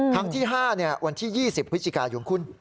ครั้งที่๕วันที่๒๐พฤศจิกายนคุณ